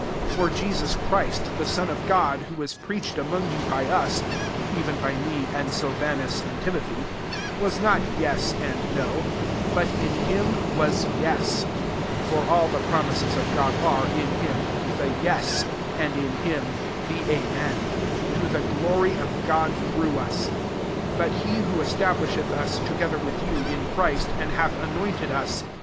19 For Jesus Chrisl, the Son of God, who was preached among you by us, (even by me, and Silvanus, and Timothy,) was not yes, and no, but in him was yes: 20 (for all the promises of God are^ in him^ the yes, and, in him, the amen,) to the glory of God through us. 21 But he who es tablisheth us, together with you,, in Christ, and hath anointed us